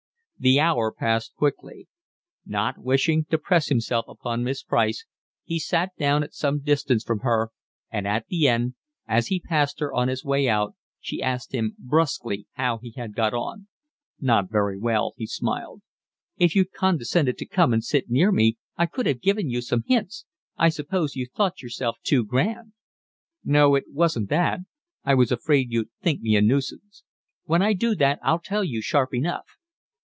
The hour passed quickly. Not wishing to press himself upon Miss Price he sat down at some distance from her, and at the end, as he passed her on his way out, she asked him brusquely how he had got on. "Not very well," he smiled. "If you'd condescended to come and sit near me I could have given you some hints. I suppose you thought yourself too grand." "No, it wasn't that. I was afraid you'd think me a nuisance." "When I do that I'll tell you sharp enough."